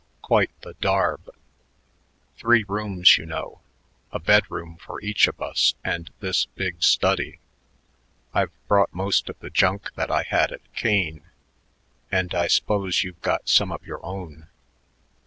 Quite the darb. Three rooms, you know; a bedroom for each of us and this big study. I've brought most of the junk that I had at Kane, and I s'pose you've got some of your own."